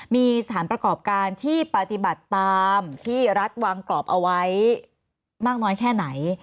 มีสถานประกอบการที่ปฏิบัติตามที่รัฐวางกรอบเอาไว้มากน้อยแค่ไหน